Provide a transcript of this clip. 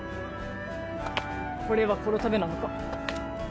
これはこのためなのか？